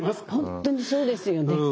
本当にそうですよね。